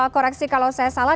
koreksi kalau saya salah